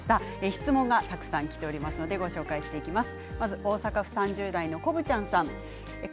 質問がたくさんきておりますご紹介していきます。